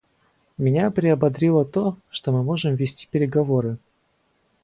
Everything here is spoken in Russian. Меня приободрило то, что мы можем вести переговоры.